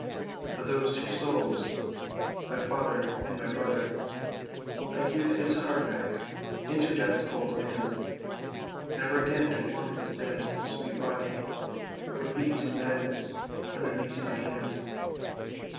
"For these two souls—my father and my brother— I give his heart back into death's cold land, Never again to warm his dead, sweet body, Or beat to madness underneath my hand."